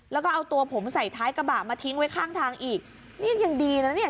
แล้วก็เอาตัวผมใส่ท้ายกระบะมาทิ้งไว้ข้างทางอีกนี่ยังดีนะเนี่ย